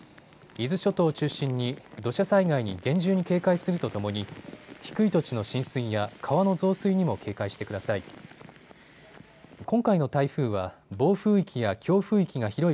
伊豆諸島を中心に土砂災害に厳重に警戒するとともに低い土地の浸水や川の増水にも警戒してください。